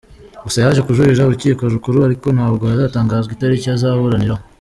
Gusa yaje kujuririra Urukiko Rukuru ariko ntabwo haratangazwa itariki azaburaniraho.